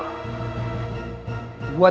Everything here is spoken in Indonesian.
tidak ada yang tahu